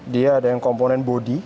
dia ada yang komponen bodi